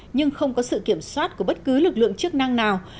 nhưng không có sự kiểm soát của bất cứ lực lượng chức năng nào